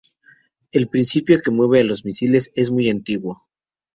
El principio que mueve a los misiles es muy antiguo.